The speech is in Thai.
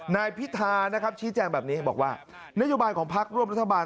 นายพิธานะครับชี้แจงแบบนี้บอกว่านโยบายของพักร่วมรัฐบาล